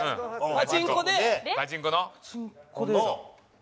パチンコ。